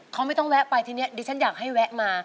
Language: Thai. เขาไม่ต้องแวะไปทีนี้ดิฉันอยากให้แวะมา